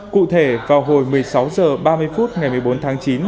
cụ thể vào hồi một mươi sáu h ba mươi phút ngày một mươi bốn tháng chín